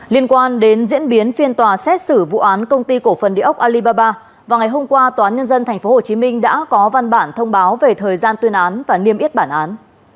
liên quan đến diễn biến phiên tòa xét xử vụ án công ty cổ phần địa ốc alibaba vào ngày hôm qua tòa án nhân dân tp hcm đã có văn bản thông báo về thời gian tuyên án và niêm yết bản án